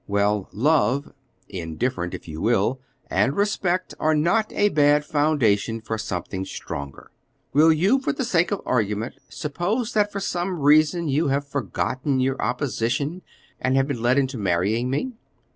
Well, love indifferent if you will and respect are not a bad foundation for something stronger. Will you, for the sake of argument, suppose that for some reason you have forgotten your opposition and have been led into marrying me?"